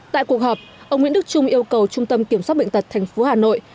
tại cuộc họp ông nguyễn đức trung yêu cầu trung tâm kiểm soát bệnh tật tp hà nội